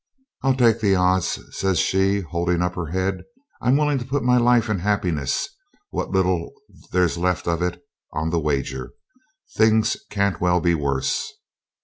'I'll take the odds,' says she, holding up her head. 'I'm willing to put my life and happiness, what little there's left of it, on the wager. Things can't well be worse.'